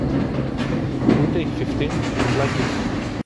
You'll take fifty and like it!